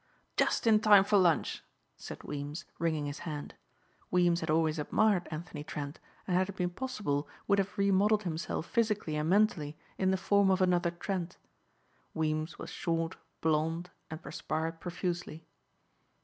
"Just in time for lunch," said Weems wringing his hand. Weems had always admired Anthony Trent and had it been possible would have remodeled himself physically and mentally in the form of another Trent. Weems was short, blond and perspired profusely.